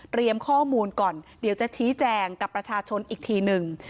ข้อมูลก่อนเดี๋ยวจะชี้แจงกับประชาชนอีกทีหนึ่ง